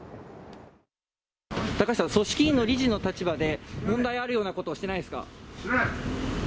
高橋さん、組織委員の理事の立場で、問題あるようなことしてないですか？